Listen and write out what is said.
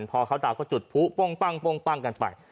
พอเขาด่าจุดผู้ป้องปั้งป้องปั้งกันไป